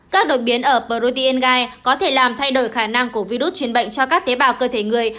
các đột biến ở protein gai có thể làm thay đổi khả năng của virus truyền bệnh cho các tế bào cơ thể người